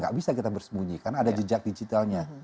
gak bisa kita bersembunyi karena ada jejak digitalnya